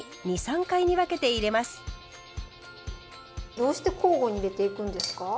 どうして交互に入れていくんですか？